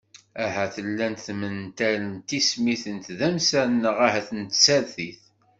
Ahat llant tmental n tismin n tdamsa neɣ ahat n tsertit.